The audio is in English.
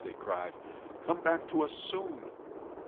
they cried. 'Come back to us soon!